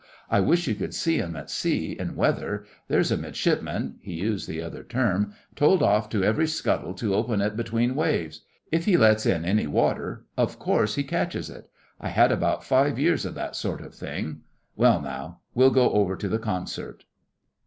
I wish you could see 'em at sea in weather. There's a Midshipman (he used the other term) told off to every scuttle to open it between waves. If he lets in any water of course he catches it. I had about five years of that sort of thing. Well, now we'll go over to the concert.